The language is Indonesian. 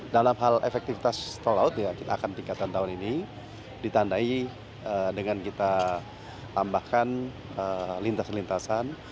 dalam hal efektivitas tol laut ya kita akan tingkatkan tahun ini ditandai dengan kita tambahkan lintasan lintasan